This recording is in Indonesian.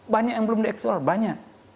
banyak yang belum diekspor banyak